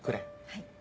はい。